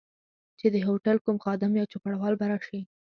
چي د هوټل کوم خادم یا چوپړوال به راشي.